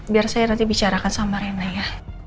biar saya nanti bicarakan sama rena ya